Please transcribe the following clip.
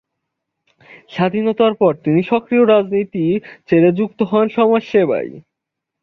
স্বাধীনতার পর তিনি সক্রিয় রাজনীতি ছেড়ে যুক্ত হন সমাজসেবায়।